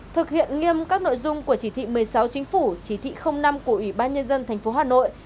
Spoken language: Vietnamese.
thực hiện nghiêm các nội dung của chỉ thị một mươi sáu chính phủ chỉ thị năm của ủy ban nhân dân tp hà nội